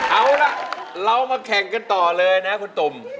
เอาล่ะเรามาแข่งกันต่อเลยนะคุณตุ่ม